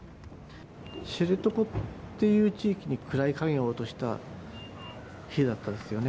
知床っていう地域に暗い影を落とした日だったですよね。